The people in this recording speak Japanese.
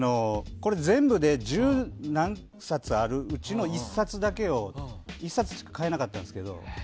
これ、全部で十何冊あるうちの１冊しか買えなかったんですけど。